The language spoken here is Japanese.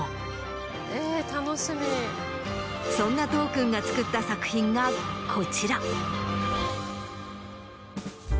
そんな都央君が作った作品がこちら。